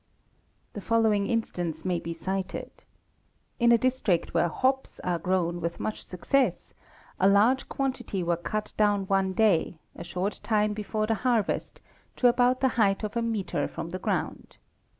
q The following instance may be cited. In a district where hops are grown with much. success a large quantity were cut down one day, a | short time before the harvest, to about the height of a metre from the eround.